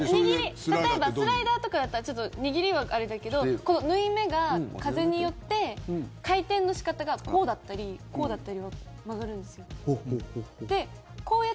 例えばスライダーとかだったらちょっと握りはあれだけど縫い目が風によって回転の仕方がこうだったり、こうだったり曲がるんですよ。